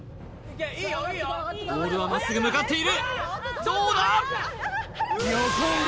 ボールはまっすぐ向かっているどうだ